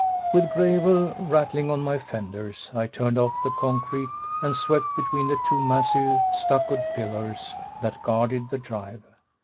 With gravel rattling on my fenders, I turned off the concrete and swept between the two massive, stuccoed pillars that guarded the drive.